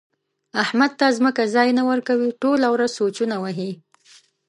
احمد ته ځمکه ځای نه ورکوي؛ ټوله ورځ سوچونه وهي.